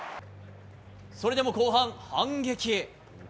それでも後半、反撃。